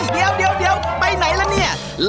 เดี๋ยวไปไหนแล้วนี่